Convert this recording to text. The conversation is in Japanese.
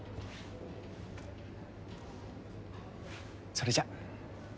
それじゃ。